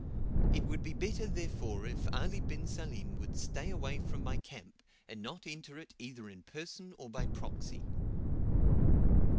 It would be better, therefore, if Ali bin Salim would stay away from my camp, and not enter it either in person or by proxy.